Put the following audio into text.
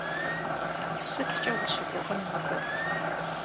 СыткӀэ ущыгугъын мыбы?